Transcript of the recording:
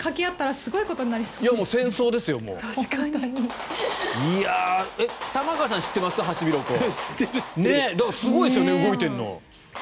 すごいですよね動いているの。